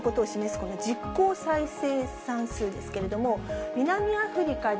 この実効再生産数ですけれども、南アフリカで、